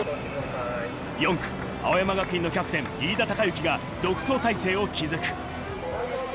４区、青山学院のキャプテン・飯田貴之が独走体制を築く。